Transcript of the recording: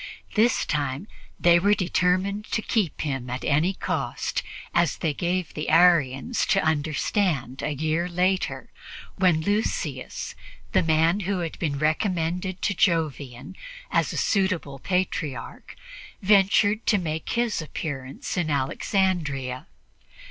This time they were determined to keep him at any cost, as they gave the Arians to understand a year later when Lucius, the man who had been recommended to Jovian as a suitable Patriarch, ventured to make his appearance in Alexandria.